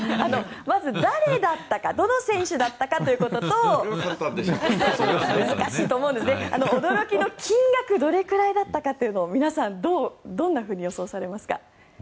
まず誰だったかどの選手だったかということと驚きの金額どれくらいだったかというのを皆さん、どんなふうに予想されますか？